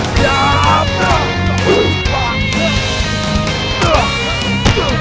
kalau kuterepon dia